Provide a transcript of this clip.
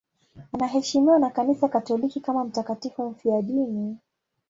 Anaheshimiwa na Kanisa Katoliki kama mtakatifu mfiadini.